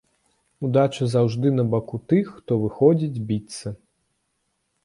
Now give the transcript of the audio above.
Удача заўжды на баку тых, хто выходзіць біцца.